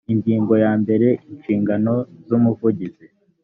ingingo ya mbere inshingano z umuvugizi